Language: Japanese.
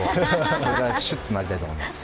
これからシュッとなりたいと思います。